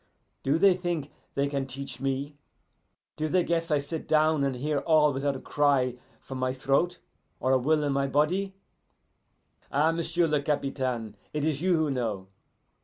Do they think they can teach me? Do they guess I sit down and hear all without a cry from my throat or a will in my body? Ah, m'sieu' le Capitaine, it is you who know.